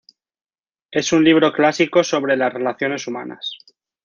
Es un libro clásico sobre las relaciones humanas.